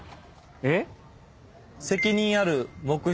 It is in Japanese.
えっ？